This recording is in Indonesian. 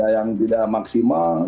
yang tidak maksimal